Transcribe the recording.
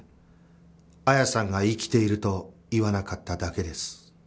「彩矢さんが生きている」と言わなかっただけです。